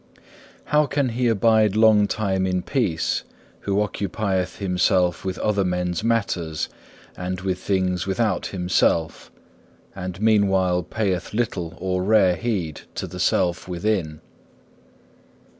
How can he abide long time in peace who occupieth himself with other men's matters, and with things without himself, and meanwhile payeth little or rare heed to the self within?